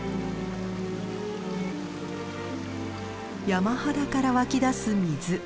山肌から湧き出す水。